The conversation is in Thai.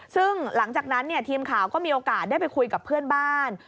ซึ่งหลังจากนั้นทีมข่าวก็มีโอกาสได้ไปคุยกับเพื่อนบ้าน